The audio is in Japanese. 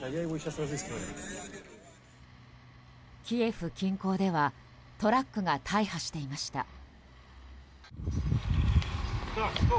キエフ近郊ではトラックが大破していました。